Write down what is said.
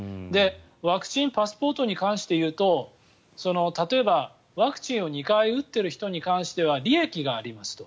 ワクチンパスポートに関していうと例えば、ワクチンを２回打ってる人に関しては利益がありますと。